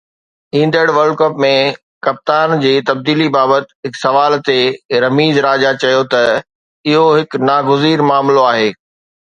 ايندڙ world cup ۾ captain جي تبديلي بابت هڪ سوال تي رميز راجا چيو ته اهو هڪ ناگزير معاملو آهي.